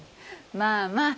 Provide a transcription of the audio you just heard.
まあまあ。